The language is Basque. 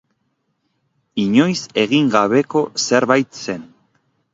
Inoiz egin gabeko zerbait zen.